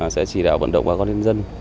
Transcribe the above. sẽ chỉ đạo vận động bà con nhân dân